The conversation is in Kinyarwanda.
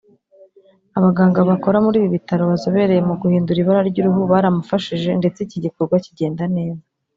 Abaganga bakora muri ibi bitaro bazobereye mu guhindura ibara ry’uruhu baramufashije ndetse iki gikorwa kigenda neza